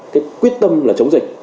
cái quyết tâm là chống dịch